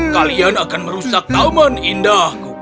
kalian akan merusak taman indahku